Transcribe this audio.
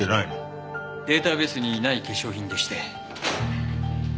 データベースにない化粧品でして。